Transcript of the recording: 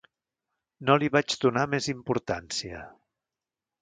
No li vaig donar més importància.